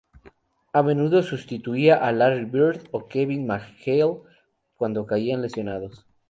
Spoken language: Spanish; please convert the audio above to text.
A menudo sustituía a Larry Bird o Kevin McHale cuando caían lesionados.